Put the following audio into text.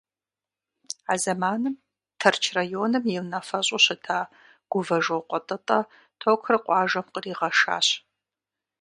А зэманым Тэрч районым и унафэщӀу щыта Гувэжокъуэ ТӀытӀэ токыр къуажэм къригъэшащ.